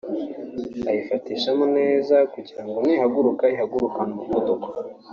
Bayifatishamo (Fixing) neza kugira ngo nihaguruka ihagurukane umuvuduko